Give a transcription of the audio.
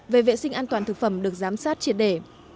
về vệ sinh an toàn thực phẩm được giám sát triệt đề